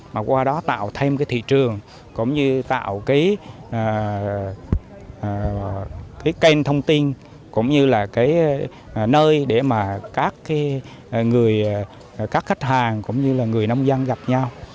mà qua đó tạo thêm cái thị trường cũng như tạo cái kênh thông tin cũng như là cái nơi để mà các khách hàng cũng như là người nông dân gặp nhau